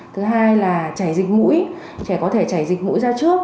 thứ hai là trẻ dịch mũi trẻ có thể chảy dịch mũi ra trước